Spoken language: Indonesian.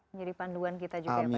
menjadi panduan kita juga ya pak ya